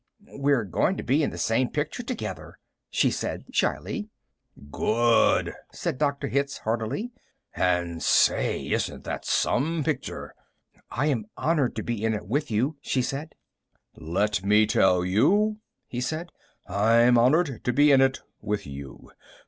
"We're going to be in the same picture together," she said shyly. "Good!" said Dr. Hitz heartily. "And, say, isn't that some picture?" "I sure am honored to be in it with you," she said. "Let me tell you," he said, "I'm honored to be in it with you.